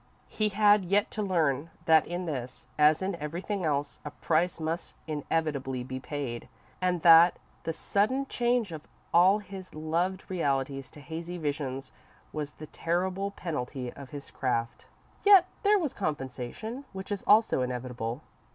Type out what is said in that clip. He had yet to learn that in this, as in everything else, a price must inevitably be paid, and that the sudden change of all his loved realities to hazy visions was the terrible penalty of his craft. Yet there was compensation, which is also inevitable.